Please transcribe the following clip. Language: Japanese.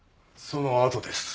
そのあとです。